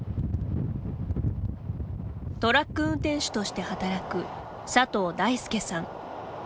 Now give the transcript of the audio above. トラック運転手として働く佐藤大輔さん。